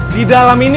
di dalam ini